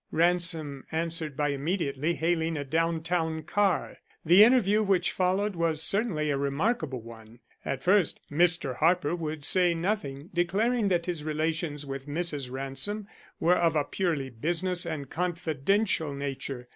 Ransom answered by immediately hailing a down town car. The interview which followed was certainly a remarkable one. At first Mr. Harper would say nothing, declaring that his relations with Mrs. Ransom were of a purely business and confidential nature.